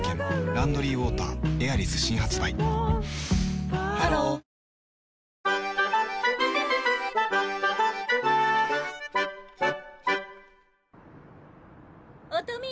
「ランドリーウォーターエアリス」新発売ハロー音美。